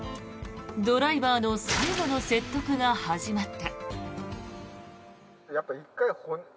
ドライバーの最後の説得が始まった。